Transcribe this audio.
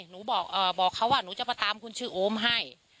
หนูบอกเขาว่าหนูจะมาตามคุณชื่อโอมให้